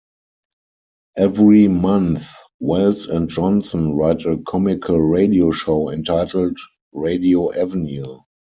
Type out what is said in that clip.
Every month, Wells and Johnson write a comical radio show entitled Radio Avenue.